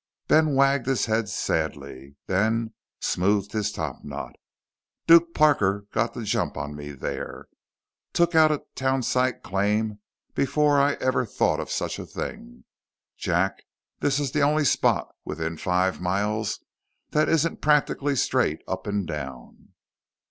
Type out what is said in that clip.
Ben wagged his head sadly, then smoothed his topknot. "Duke Parker got the jump on me there. Took out a townsite claim before I ever thought of such a thing. Jack this is the only spot within five miles that isn't practically straight up and down!"